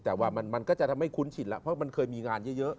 แต่ว่ามันก็จะทำให้คุ้นชินแล้วเพราะมันเคยมีงานเยอะ